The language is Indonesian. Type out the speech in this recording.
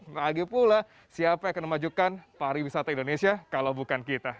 lagi pula siapa yang akan memajukan pariwisata indonesia kalau bukan kita